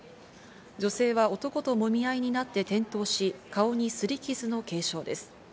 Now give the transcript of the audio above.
女性は男ともみ合いになって転倒し、顔に擦り傷の軽傷です。